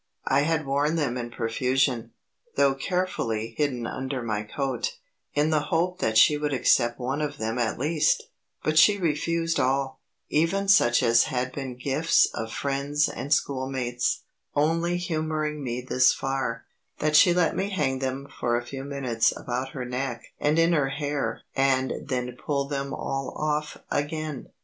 I had worn them in profusion, though carefully hidden under my coat, in the hope that she would accept one of them at least, But she refused all, even such as had been gifts of friends and schoolmates, only humouring me this far, that she let me hang them for a few minutes about her neck and in her hair and then pull them all off again.